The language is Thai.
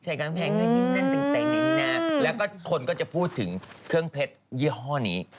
ใช้การแพงหน่อยนิดนึงนั่นตึงนิดนึงนะแล้วก็คนก็จะพูดถึงเครื่องเพชรยี่ห้อนี้